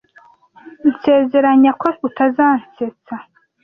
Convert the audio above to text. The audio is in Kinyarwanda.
Nsezeranya ko utazansetsa.